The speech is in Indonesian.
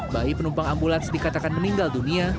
bayi penumpang ambulans dikatakan meninggal dunia